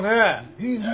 いいねえ。